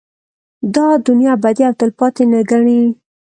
دا دنيا ابدي او تلپاتې نه گڼي